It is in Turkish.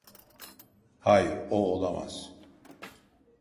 Hayır, o olamaz.